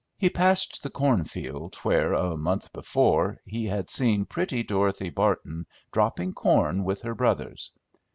He passed the cornfield where, a month before, he had seen pretty Dorothy Barton dropping corn with her brothers.